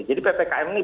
jadi ppkm ini betul betul